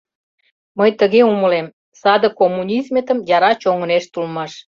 Мый тыге умылем: саде коммунизметым яра чоҥынешт улмаш.